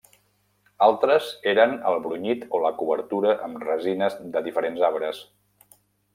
Altres eren el brunyit o la cobertura amb resines de diferents arbres.